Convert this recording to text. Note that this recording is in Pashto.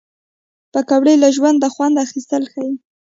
پکورې له ژونده خوند اخیستل ښيي